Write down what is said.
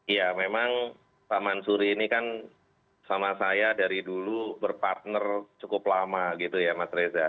ya memang pak mansuri ini kan sama saya dari dulu berpartner cukup lama gitu ya mas reza